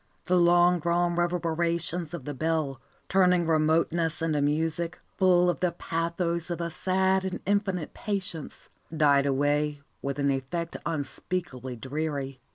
The long drawn reverberations of the bell, turning remoteness into music, full of the pathos of a sad and infinite patience, died away with an effect unspeakably dreary.